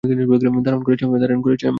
দারুন করেছো, এম্বার।